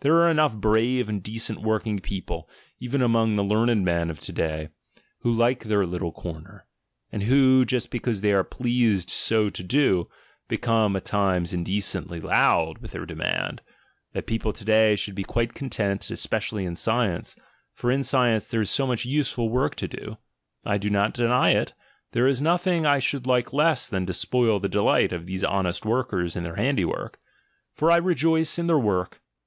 There are enough brave and decent working people, even among the learned men of to day, who like their little corner, and who, just be cause they are pleased so to do, become at times inde cently loud with their demand, that people to day should be quite content, especially in science — for in science there is so much useful work to do. I do not deny it — there is nothing I should like less than to spoil the delight of these honest workers in their handiwork; for I rejoice in their work.